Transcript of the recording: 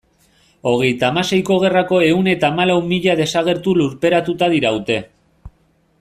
Hogeita hamaseiko gerrako ehun eta hamalau mila desagertu lurperatuta diraute.